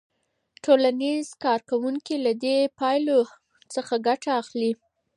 ټولنیز کارکوونکي له دې پایلو څخه ګټه اخلي.